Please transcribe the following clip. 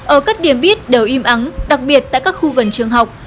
ở các điểm biết đều im ắng đặc biệt tại các khu gần trường học